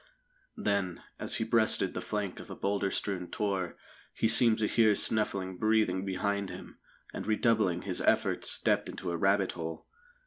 Then, as he breasted the flank of a boulder strewn tor, he seemed to hear snuffling breathing behind him, and, redoubling his efforts, stepped into a rabbit hole.